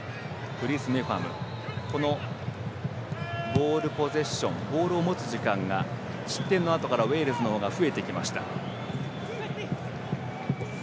ボールポゼッションボールを持つ時間が失点のあとからウェールズの方が増えてきました。